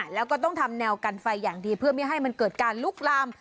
แล้วก็ต้องทำแนวกันไฟอย่างดีเพื่อไม่ให้มันเกิดการลุกลาม